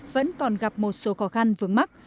vẫn còn gặp một số khó khăn vướng mắt